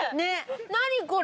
何これ！